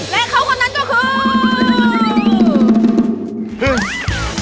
และเขาคนนั้นก็คือ